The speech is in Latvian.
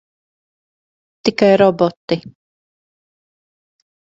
Tikai roboti.